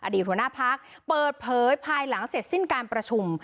หัวหน้าพักเปิดเผยภายหลังเสร็จสิ้นการประชุม